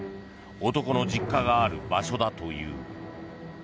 男の実家がある場所だという。